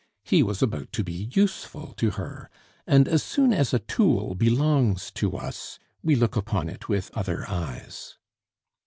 He was about to be useful to her, and as soon as a tool belongs to us we look upon it with other eyes.